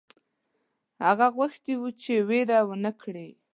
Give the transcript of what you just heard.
هغه غوښتي وه چې وېره ونه کړي.